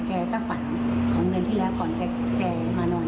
แกตั้งฝันของเดือนที่แล้วก่อนแกมานอน